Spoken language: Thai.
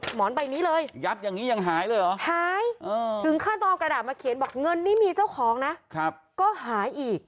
หมอนใบนี้เลยหายถึงขั้นต้องเอากระดาษมาเขียนบอกว่าเงินนี่มีเจ้าของนะก็หายอีก